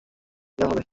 এর জবাব পরে দেওয়া হবে।